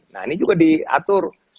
nah ini juga diatur